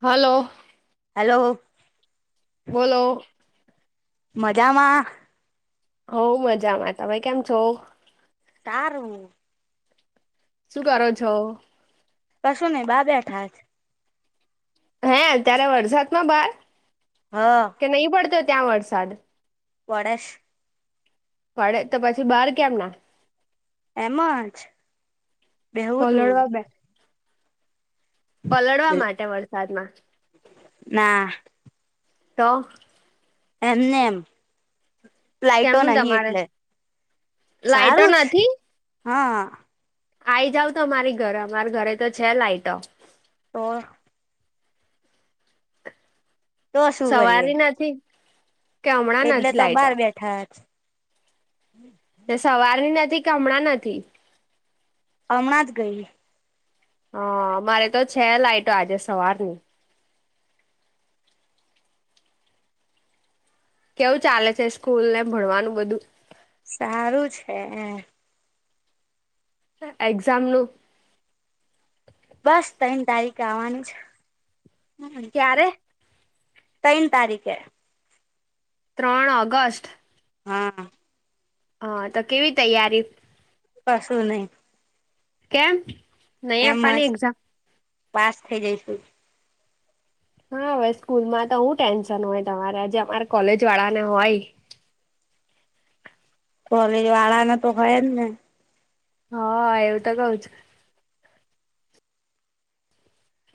હાલો. Hello. બોલો. મજામાં? હો મજામાં તમે કેમ છો? સારું શું કરો છો? કશું નય બા બેઠા હે અત્યારે વરસાદમાં બાર હ. કે નહીં પડતો ત્યાં વરસાદ? પડે પડે તો પછી બહાર કેમ ના એમાં જ બેવું તું પલળવા બે પલળવા માટે વરસાદમાં ના તો? એમને એમ પ્લાઇટો કેમનું નહી તમારે એટલે લાઈટો સારું નથી હા. આઈ જાવ તો અમારી ઘરે અમારા ઘરે તો છે, લાઈટો તો તો શું કરીએ સવારે નથી. કે હમણાં એટલે નથી તો લાઈટો બાર બેઠા તે સવારે નથી કે હમણાં નથી? અમણાં જ ગઈ હા મારે તો છે, લાઈટો આજે સવારની કેવું ચાલે છે, સ્કૂલ ને ભણવાનું બધું? સારું છે. એક્ઝામનું? બસ તૈણ તારીખે આવવાનું જ ક્યારે તૈણ તારીકે ત્રણ ઓગસ્ટ હા. હા તો કેવી તૈયારી? કશું નય કેમ? નહી એમ આપવાની જ એક્ઝામ પાસ થે જઈશું. હા હવે સ્કૂલ માં તો હું ટેન્શન હોય તમારે આજે અમારે કોલેજ વાળાને હોય. કોલેજ વાળાને તો હોય જ ને હ એવું તો કઉ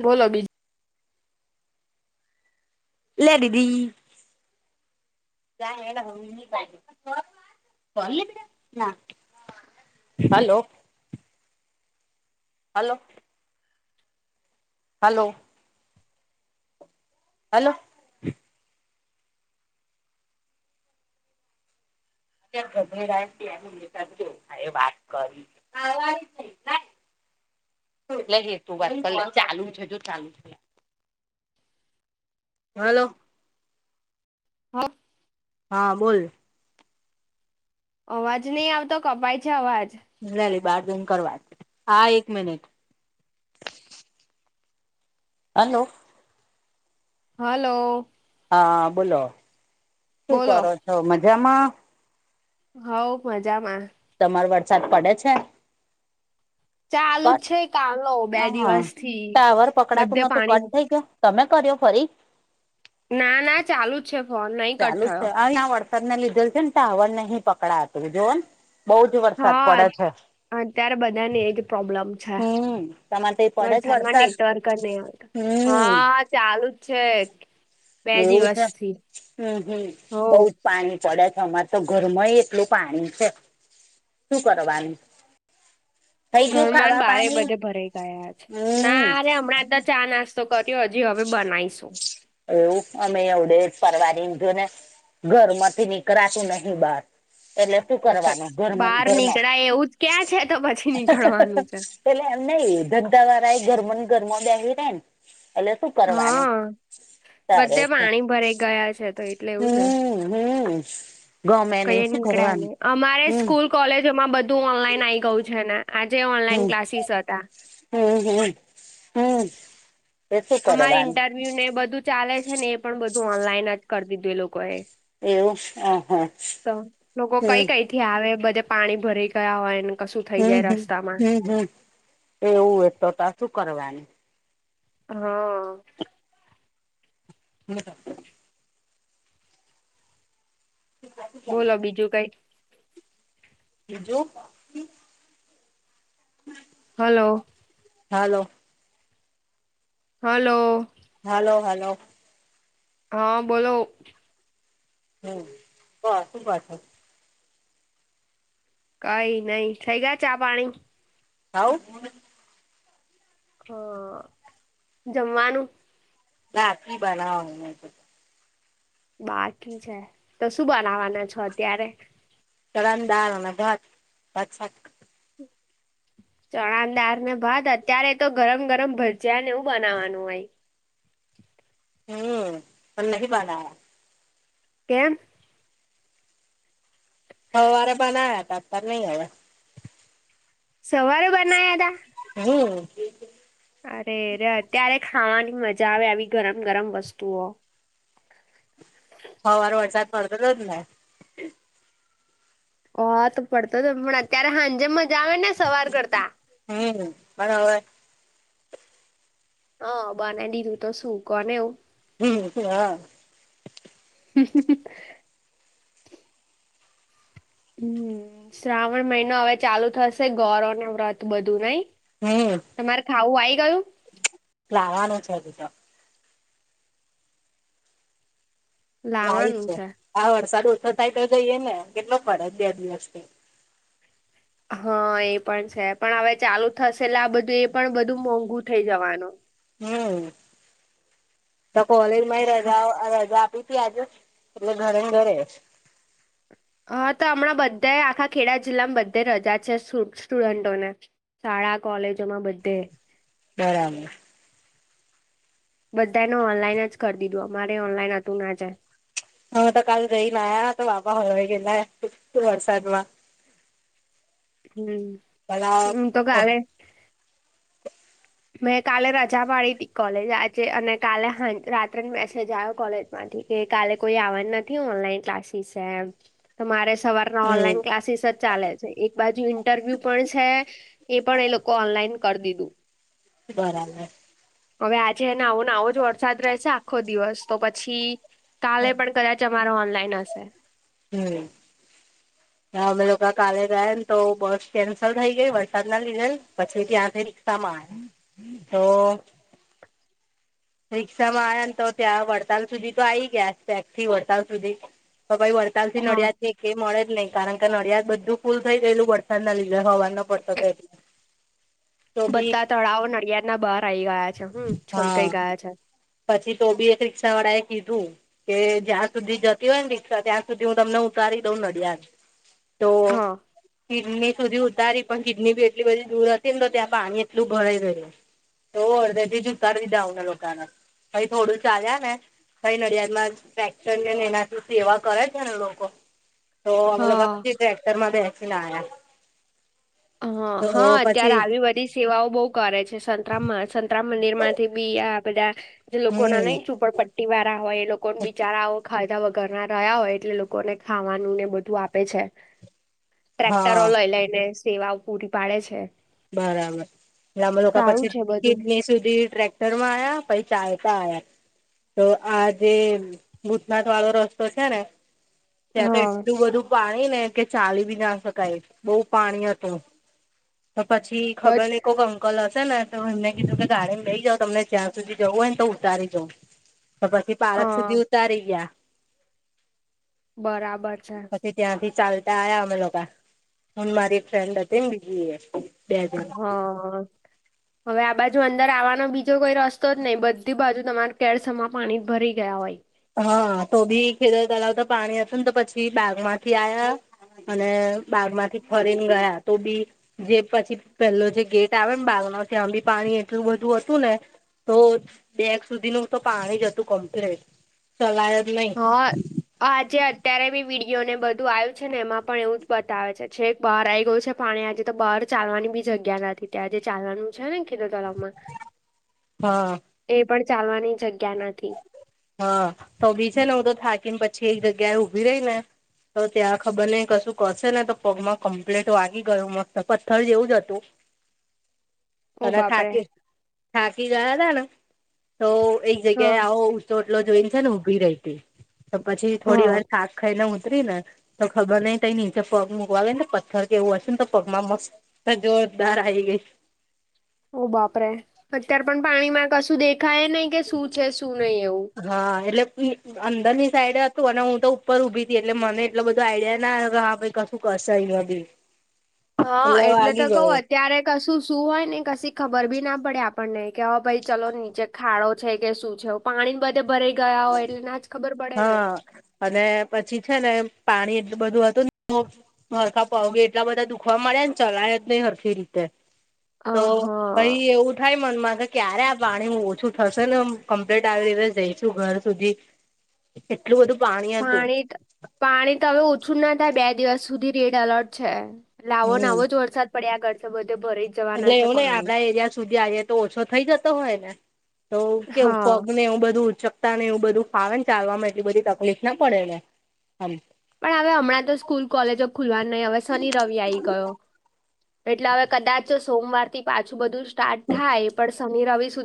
બોલો બી લે દીદી. [inaudible] [unintelligible] હાલો. હાલો. હાલો. હાલો. [inaudible] [unintelligible] લે હેતુ વાત કરીલે ચાલુ છે જો ચાલુ છે. હલો. હ હા બોલ. અવાજ નહીં આવતો કપાય છે અવાજ. લેલી બાર જૈન કર વાત. હા, એક મિનિટ. હલો. હલો. હા બોલો. શું બોલો કરો છો? મજામાં. હવ મજામાં. તમાર વરસાદ પડે છે? ચાલુ જ કટ છે કાલો બે અ દિવસ થી ટાવર બધે પકડાતું નતું પાણી કટ થઇ ગયો? તમે કર્યો ફરી? ના ના ચાલુ જ છે ફોન. નહીં કટ થયો. [unintelligible] વરસાદ ને લીધે છે ને ટાવરને નહીં પકડાતું જોવો ને બહુ જ વરસાદ હા પડે છે. અત્યારે બધાને એજ પ્રોબ્લેમ છે. હમ તમારે તો પડે જ વરસાદમાં વરસાદ નેટવર્ક જ નહી આવતું. હમ હા ચાલુ જ છે. બે એવું છે. દિવસથી હમ હમ હો બૌજ. પાણી પડે છે અમારે તો ઘરમાંય એટલું પાણી છે. શું કરવાનું? થઈ ગયું ઘરમાં ને ખાવા બારે પાણી બધે ભરાઈ ગયાં છે. હમ ના રે હમણાં તો ચા નાસ્તા તો કર્યો. હજી હવે બનાવીશું. એવું અમે એવડે ફવાનીધું ને. ઘરમાંથી નીકળાતું નહિ બાર. એટલે શું હા તો કરવાનું ઘરમાં ને બહાર ઘરમાં. નીકળાય એવું જ ક્યાં છે તો પછી નીકળવાનું છે [inaudible] એટલે એમ નહ ધંધા વાળા એ ઘરમો ને ઘરમો બેસી રેય ને એટલે શું કરવાનું? હા બધે ચાલે છે પાણી ભરાઈ ગયા છે. તો લેવું ના હમ હમ ગમે કઈ નહી શું નીકળ્યા કરવાનું નહી અમારે હમ સ્કૂલ કોલેજોમાં બધું ઓનલાઈન આઈ ગયું છે ને આજે ઓનલાઈન હમ ક્લાસીસ હતાં. હમ હમ હમ. એ શું અમારી કરવાનું ઇન્ટરવ્યુ ને એ બધું ચાલે છે ને એ પણ બધું ઓનલાઈન જ કરી દીધું એ લોકો એ. એવું હ હા લોકો કઈ હમ. કઈ થી આવે બધે પાણી ભરી ગયા હોય અન હમ હમ હમ હમ એવું તો ત શું કરવાનું? હા હ [inaudible] [unintelligible] બોલો બીજું કંઈ? બીજું. હમ hello. Hello. Hello. Hello hello. હા બોલો. હમ [unintelligible] કઈ નઈ થઈ ગયા ચા પાણી? હાવ. હ જમવાનું લાપશી બનાવ બાકી છે. તો શું બનાવાના છો અત્યારે? ચણા દાળ અને ભાત હમ ચણા દાર ને ભાત અત્યારે તો ગરમ ગરમ ભજયા ને એવું બનાવાનું હોય. હમ અ નહી [unintelligible] કેમ? સવારે બનાયા હતા નહી હવે. સવાર બના્યા હતા? હમ અરે અરે અત્યારે ખાવાની મજા આવે આવી ગરમ ગરમ વસ્તુઓ. સવારે વરસાદ પડતો હતો ને? હ તો પડતો જ પણ અત્યારે સાંજે મજા આવે ને સવાર કરતા. હમ બરાબર હ બને દીધું તો શું કોને એવું હમ હા હ હમ શ્રાવણ મહિનો હવે ચાલુ થશે ગૌરવ ના વ્રત બધું નય? તમારે ખાવું આવીઈ ગયું? લવાનું છે હજીતો. લાય છે, આ વરસાદ ઓછો થાય તો જઈએે ને કેટલો પડે બે દિવસથી. હા એ પણ છે, પણ ચાલુ થશે આ બધું એ પણ બધું મોંઘુ થઇ જવાનું. હમ તો કોલેજમાં ખા રજા રજા આપી ત આજે એ કે ઘરે ઘરે હા તો હમણાં બધા આખા ખેડા જિલ્લામાં બધા રજા છે, સ્ટુડન્ટોને. શાળા કોલેજો માં બધે. બરાબર બધાને ઓનલાઈન જ કરી દીધું. અમારે ઓનલાઈન હતું આજે. હા તો જઈને આવ્યા તો [unintelligible] વરસાદમાં હમ્મ હું તો ભલા કાલે મેં કાલે રજા પાડી હતી કોલેજ આજે અને કાલે રાત્રે મેસેજ આવ્યો કોલેજ માં કે કાલે કોઈ આવવા નથી ઓનલાઈન ક્લાસીસ છેમ. તમારે સવારના હમ ઓનલાઈન ક્લાસીસ જ ચાલે છે, એક બાજુ ઇન્ટરવ્યુ પણ છે, એ પણ એ લોકો ઓનલાઈન કરી દીધું. બરાબર હવે આજે એને આવોને આવો જ વરસાદ રહેશે આખો દિવસ તો પછી કાલે પણ કદાચ અમારો ઓનલાઇન હશે હમ્મ [inaudible] હા અમે લોકો કાલે ગયા તો બસ કેન્સલ થઈ ગઈ વરસાદ ના પછી ત્યાં થઈ તમારે તો રિક્ષામોયા ને તો ત્યાં વડતાલ સુધી તો આવી ગયા પેગ થી વડતાલ સુધી તો ભાઈ વડતાલ થી હા નળિયા છે કે મળે જ નહી કારણ કે નડિયાદ બધું ફૂલ થઈ ગયેલું વ [unintelligible] બધા તળાવ નડિયાદના બહાર આવી ગયા છે, હમ હા છલકાઈ ગયા છે, પછી તો બી એક રીક્ષા વાળા એ કીધું કે જ્યાં સુધી જતી હોય ને રિક્ષા ત્યાં સુધી હું તમને ઉતારી દઉં નડિયાદ હા કિડની સુધી ઉતારી પણ કિડની બી એટલી બધી દૂર હતી ને તો ત્યાં પાણી એટલું ભરાઈ ગયું તો ઓર જુત જાઉને લોકોના ભછાઈ થોડું ચાલ્યા ને પહી નડિયાદ માં ટ્રેક્ટર ને ને એના શું સેવા કરે છે, ને લોકો તો અમે લોકો હા પછી ટ્રેક્ટર માં બેસીને આવ્યા હા હા અત્યારે બધી સેવાઓ ઉ કરે છે, સરામ સંતરામ મંદિર માંથી બી આ બધા જે લોકો ના હમ નહી ચુપડ પ વાળા હોય એ લોકો બિચારા ખાધા વગર ના રહ્યા હોય એટલે લોકોને ખાવાનું ને બધું આપે છે, હા ટ્રેક્ટરો લઈ લઈને સેવાઓ પૂરી પાડે છે, બરાબર ગામ લોકો સારું પછી છે બધું કીડની સુધી ટ્ર ટરમાં આયા પહી ચાલતા આયા તો આ જે ભૂતનાથ વાળો રસ્તો છે, ને ત્યાં તો હા એટલું બધું પાણી ને કે ચાલી બી ના શકાય બહુ પાણી હતું તો પછી ખબર ને બટ કોકમ કલ હશેને તો એમને કીધું કે ગાડીને લઈ જાવ તમને જ્યાં સુધી જવું હોયને તો ઉતારી જાઉ તો પછી પાલક હા સુધી ઉતારી ગયા બરાબર છે, ત્યાં થી ચાલતા આયા અમે લોકો હું મારી ફ્રેન્ડ હતી ને બીજી એ બે જણ હા હવે આ બાજુ અંદર આવવાનો બીજો કોઈ રસ્તો જ નહી બધી બાજુ તમારા કેળસમા પાણી ભરી ગયા હોય હા તો બી ખેડ તળવતા પાણી હતું ને તો પછી બાગ માંથી આયા અને બાગ માંથી ફરીને ગયા તો બી જે પછી પેલો જે ગેટ આવે ને બાગના ત્યા બી પાણી એટલું બધું હતું ને. તો બેગ સુધીનું તો પાણી જ હતું કમ્પ્લેટ ચલાય જ નઈ હા આજે અત્યારે બી વિડીયોને બધું આવ્યું છે ને એમાં પણ એવું જ બતાવે છે છે. બહાર આવી ગયું છે પાણી આજે તો બહાર ચાલવાની બી જગ્યા નથી ત્યાં આજે ચાલવાનું છે ને ખેતતોળમાં [inaudible] હા. એ પણ ચાલવાની જગ્યા નથી. હા તો બી છેને હું તો થાકી ને પછી એક જગ્યાએ ઊભી રહી ને. તો ત્યાં ખબર નહ કશું કરશે ને તો પગમાં કમ્પ્લીટ વાગી ગયું મસ્ત પથ્થર જેવું જ હતું. [inaudible] અને બાપરે થાકી થાકી ગયા તા ને તો એક હા જગ્યાએ આવો ચોટલો જોઈને છે ને ઊભી રેયતી તો પછી થોડી હા વાર થાક ખાઈને ઊતરીને તો ખબર નઈ તય નીચે પગ મૂકવા આવે ને પથ્થર કે એવો હશેને તો પગમાં મસ્ત જોરદાર આયી ગઈ ઓ બાપરે અત્યાર પણ પાણીમાં કશું દેખાય નઈ કે શું છે શું નઈ એવું હા એટલે [unintelligible] અંદરની સાઈડે હતું અને હું તો ઉપર ઊભી હતી એટલે મને એટલો બધો આઈડિયા ના આયો કે હા ભાઈ ક હું કશાયવા બી હા એટલે તો વાગી કવ ગયો અત્યારે કશું શું હોયને કશી ખબર બી ના પડે આપણને કે હ ભાઈ ચલો નીચે ખાડો છે કે શું છે પાણી બધે ભરાઈ ગયા હોય એટલે ના જ ખબર પડે ને હ અને પછી છે ને પાણી એટલું બધું હતું [unintelligible] હરખા પગ એટલાં બધા દુખવા મળ્યાને ચલાય જ હરખી રીતે તો અહં ભાઈ એવું થાય મનમાં કે ક્યારે આ પાણી ઓછું થશે ને આમ કમ્પ્લીટ આવી દિવસ જઈશું ઘર સુધી એટલું બધું પાણ પાણી પાણી તો હવે ઓછું ના થાય બે દિવસ સુધી રેડ એલર્ટ છે. લાવોનો હમ આવો જ વરસાદ પડ્યા કરશે છે બધે ભરી એટલે જવાના એવું છે નઈ પાણી આપડા એરિયા સુધી આવ્યે તો ઓછો થઈ જતો હોયને તો કેવું હા પગને એવું બધું ઉચક તા ને એવું બધું ફાવેને ચાલવાવામાં એટલી બધી તકલીફ ના પડે આમ પણ હવે હમણાં તો સ્કૂલ કોલેજો ખુલવાન નઈ હવે શનિ રવિ આય ગયો. એટલે હવે કદાચ સોમવારથી પાછું બધું સ્ટાર્ટ થાય પણ શનિ રવિ સુધી